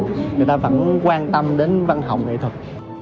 người ta vẫn quan tâm đến văn học nghệ thuật